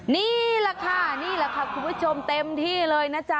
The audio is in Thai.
นี่แหละค่ะนี่แหละค่ะคุณผู้ชมเต็มที่เลยนะจ๊ะ